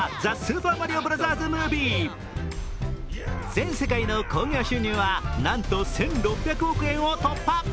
全世界の興行収入は、なんと１６００億円を突破。